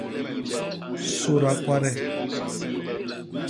Sôda kwade.